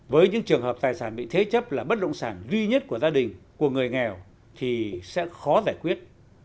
với những trường hợp tài sản bị thế chấp là bất động sản duy nhất của gia đình của người nghèo thì sẽ khó giải quyết